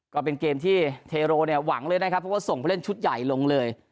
ก็เป็นเกมที่เทโรเนี่ยหวังเลยนะครับเพราะว่าส่งผู้เล่นชุดใหญ่ลงเลย